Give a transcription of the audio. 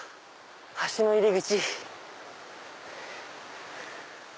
橋の入り口。